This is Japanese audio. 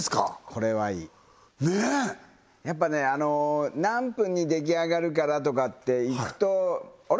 これはいいやっぱね何分に出来上がるからとかって行くとあれ？